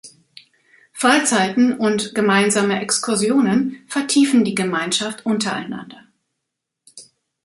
Freizeiten und gemeinsame Exkursionen vertiefen die Gemeinschaft untereinander.